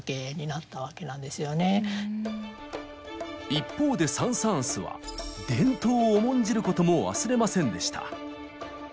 一方でサン・サーンスは伝統を重んじることも忘れませんでした。